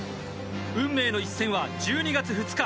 運命の一戦は１２月２日。